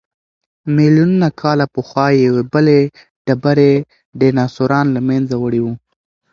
ملیونونه کاله پخوا یوې بلې ډبرې ډیناسوران له منځه وړي وو.